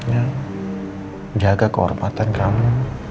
yang jaga kehormatan kamu